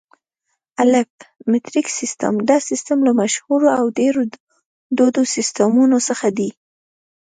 الف: مټریک سیسټم: دا سیسټم له مشهورو او ډېرو دودو سیسټمونو څخه دی.